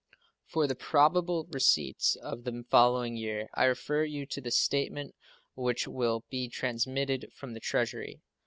For the probable receipts of the following year I refer you to the statement which will be transmitted from the Treasury.